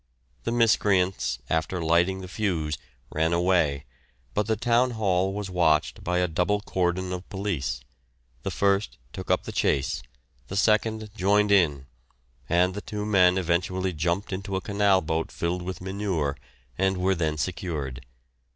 The miscreants, after lighting the fuse, ran away; but the Town Hall was watched by a double cordon of police; the first took up the chase, the second joined in, and the two men eventually jumped into a canal boat filled with manure, and were then secured.